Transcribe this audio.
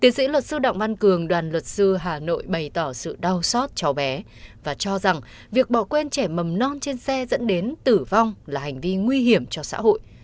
tiến sĩ luật sư đặng văn cường đoàn luật sư hà nội bày tỏ sự đau xót cháu bé và cho rằng việc bỏ quên trẻ mầm non trên xe dẫn đến tử vong là hành vi nguy hiểm cho xã hội